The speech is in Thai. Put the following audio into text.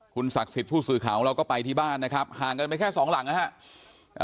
คุณศักดิ์สิทธิ์ผู้สื่อข่าวเราก็ไปที่บ้านนะครับห่างกันไปแค่สองหลังนะครับ